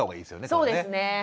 そうですね。